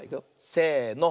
せの。